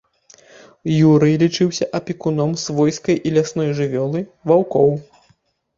Юрый лічыўся апекуном свойскай і лясной жывёлы, ваўкоў.